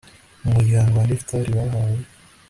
mu muryango wa nefutali bahawe